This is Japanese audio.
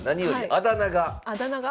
あだ名が？